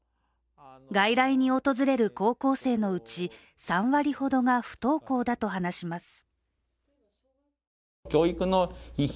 外来に訪れる高校生のうち３割ほどが不登校だと話します。